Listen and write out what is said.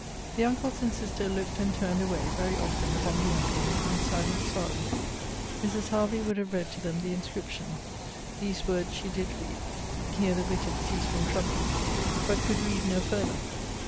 The uncles and sister looked and turned away, very often, upon the emblems, in silent sorrow. Mrs. Hervey would have read to them the inscription These words she did read, Here the wicked cease from troubling But could read no farther.